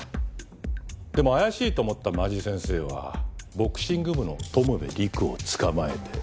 でも怪しいと思った間地先生はボクシング部の友部陸を捕まえて。